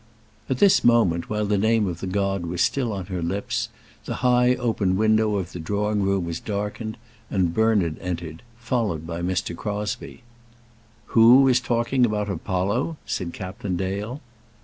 At this moment, while the name of the god was still on her lips, the high open window of the drawing room was darkened, and Bernard entered, followed by Mr. Crosbie. "Who is talking about Apollo?" said Captain Dale.